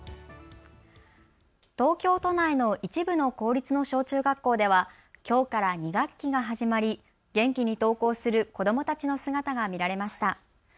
東京都内の一部の公立の小中学校では、きょうから２学期が始まり元気に登校する子どもたちの姿が見られました。